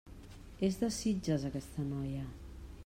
És de Sitges, aquesta noia.